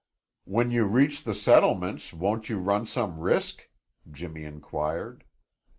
"When you reach the settlements, won't you run some risk?" Jimmy inquired.